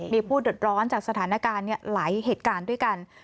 มีผู้เดือดร้อนจากสถานการณ์หลายเหตุการณ์ด้วยกัน